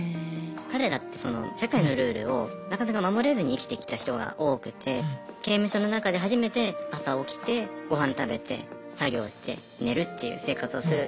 彼らってその社会のルールをなかなか守れずに生きてきた人が多くて刑務所の中で初めて朝起きてごはん食べて作業して寝るっていう生活をする